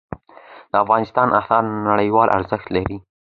د افغانستان آثار نړیوال ارزښت لري.